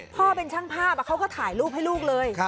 พ่อเป็นช่างภาพเขาก็ถ่ายรูปให้ลูกเลย